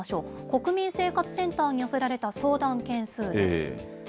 国民生活センターに寄せられた相談件数です。